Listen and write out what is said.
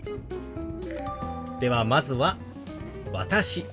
ではまずは「私」。